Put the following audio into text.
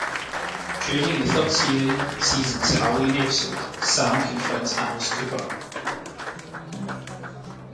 During the third season's Halloween episode, Sam confronts Alice Cooper.